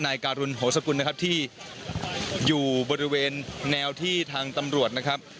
การุณโหสกุลนะครับที่อยู่บริเวณแนวที่ทางตำรวจนะครับ